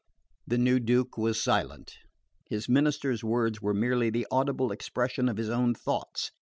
The new Duke was silent. His minister's words were merely the audible expression of his own thoughts.